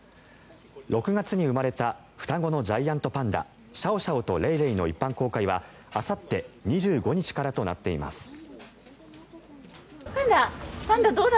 ６月に生まれた双子のジャイアントパンダシャオシャオとレイレイの一般公開はあさって２５日からとなっています。